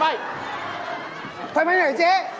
ไฟไหม้ไหนเจ๊